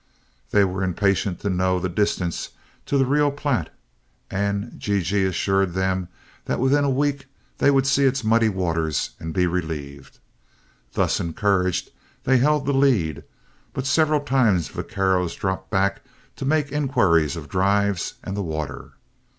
They were impatient to know the distance to the Rio Platte, and G G assured them that within a week they would see its muddy waters and be relieved. Thus encouraged they held the lead, but several times vaqueros dropped back to make inquiries of drives and the water.